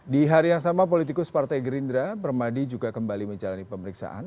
di hari yang sama politikus partai gerindra permadi juga kembali menjalani pemeriksaan